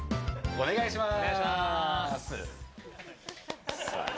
お願いします。